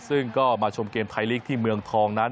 ซึ่งก็มาชมเกมไทยลีกที่เมืองทองนั้น